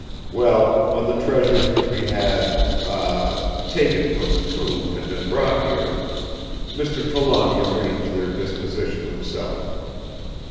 "Well, when the treasures which we had—ah!—taken from the tomb had been brought here, Mr. Trelawny arranged their disposition himself.